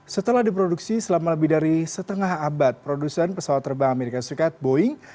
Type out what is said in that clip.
setelah diproduksi selama lebih dari setengah abad produsen pesawat terbang amerika serikat boeing